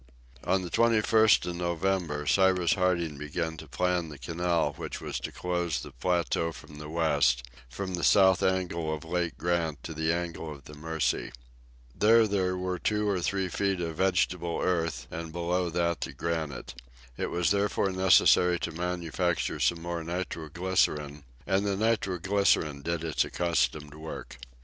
On the 21st of November, Cyrus Harding began to plan the canal which was to close the plateau on the west, from the south angle of Lake Grant to the angle of the Mercy. There was there two or three feet of vegetable earth, and below that granite. It was therefore necessary to manufacture some more nitro glycerine, and the nitro glycerine did its accustomed work.